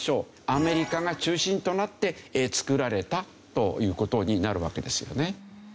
アメリカが中心となって作られたという事になるわけですよね。